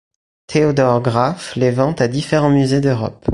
Theodor Graf les vend à différents musées d'Europe.